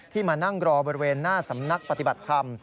มานั่งรอบริเวณหน้าสำนักปฏิบัติธรรม